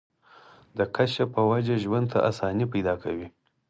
د کشف پۀ وجه ژوند ته اسانۍ پېدا کوي